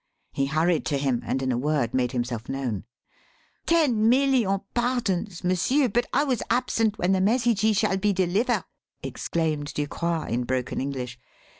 He hurried to him and in a word made himself known. "Ten million pardons, m'sieur; but I was absent when the message he shall be deliver," exclaimed Ducroix in broken English.